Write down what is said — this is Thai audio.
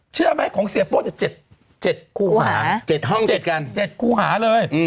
เชื่อไหมของเสียโป้๗คู่หา๗ห้อง๗กัน๗ครูหาเลย